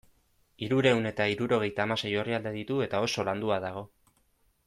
Hirurehun eta hirurogeita hamasei orrialde ditu eta oso landua dago.